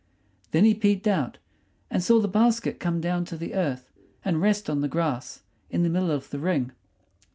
Then he peeped out and saw the basket come down to the earth and rest on the grass in the middle of the ring.